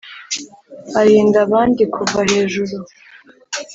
arinda abandi kuva hejuru,